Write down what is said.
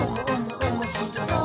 おもしろそう！」